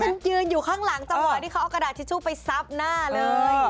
มันยืนอยู่ข้างหลังจังหวะที่เขาเอากระดาษทิชชู่ไปซับหน้าเลย